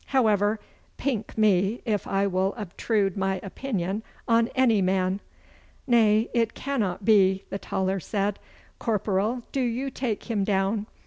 However, pink me if I will obtrude my opinion on any man!' 'Nay, it cannot be,' the taller said. 'Corporal, do you take him down.